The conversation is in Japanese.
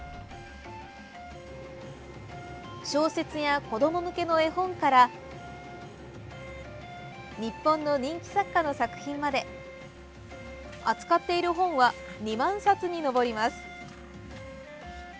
小説や子ども向けの絵本から日本の人気作家の作品まで扱っている本は２万冊に上ります。